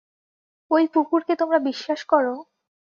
ওই কুকুরকে তোমরা বিশ্বাস করো?